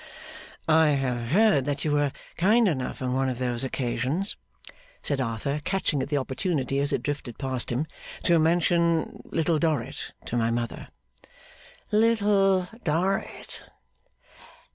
'I have heard that you were kind enough on one of those occasions,' said Arthur, catching at the opportunity as it drifted past him, 'to mention Little Dorrit to my mother.' 'Little ? Dorrit?